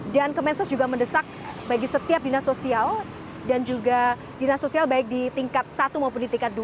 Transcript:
dan kemensos juga mendesak bagi setiap dinasosial dan juga dinasosial baik di tingkat satu maupun di tingkat dua